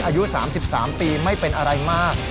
อายุ๓๓ปีไม่เป็นอะไรมาก